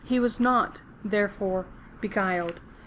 He was not, therefore, beguiled.